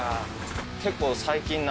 結構。